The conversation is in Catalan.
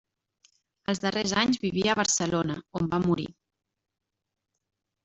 Als darrers anys vivia a Barcelona, on va morir.